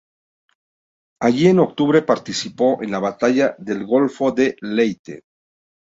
Allí en octubre participó en la batalla del Golfo de Leyte.